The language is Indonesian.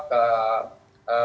ini adalah perwira yang baik